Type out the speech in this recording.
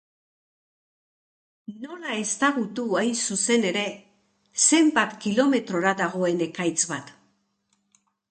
Nola ezagutu, hain zuzen ere, zenbat kilometrora dagoen ekaitz bat?